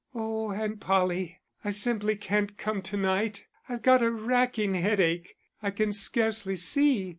"Oh, Aunt Polly, I simply can't come to night. I've got a racking headache; I can scarcely see.